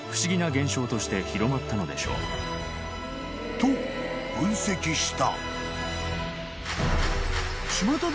［と分析した］